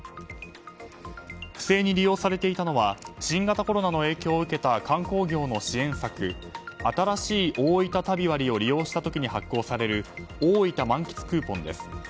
不正に利用されていたのは新型コロナの影響を受けた観光業の支援策新しいおおいた旅割を利用した時に発行されるおおいた満喫クーポンです。